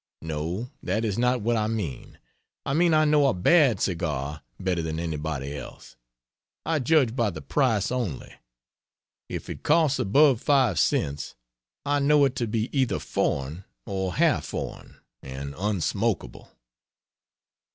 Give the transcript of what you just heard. No, that is not what I mean; I mean I know a bad cigar better than anybody else; I judge by the price only; if it costs above 5 cents I know it to be either foreign or half foreign, and unsmokeable.